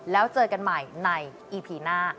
แล้วเจอกันใหม่ในอีพีหน้า